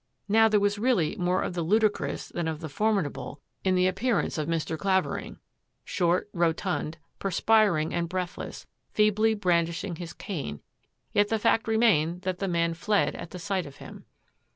Now there was really more of the ludicrous than of the formidable in the appearance 88 THAT AFFAIR AT THE MANOR of Mr. Clavering, short, rotund, perspiring and breathless, feebly brandishing his cane, yet the fact remained that the man fled at sight of him.